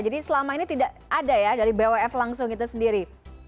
jadi selama ini tidak ada ya dari bws langsung itu sendiri